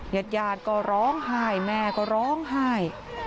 ญาติยาดก็ร้องไห้แม่ก็ร้องไห้